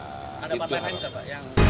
ada pertanyaan juga pak